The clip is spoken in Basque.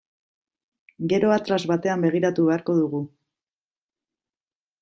Gero atlas batean begiratu beharko dugu.